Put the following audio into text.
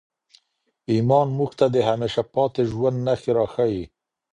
ایمان موږ ته د همېشهپاته ژوند نښې راښیي.